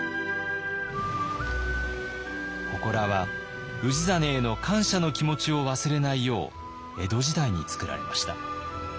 ほこらは氏真への感謝の気持ちを忘れないよう江戸時代に作られました。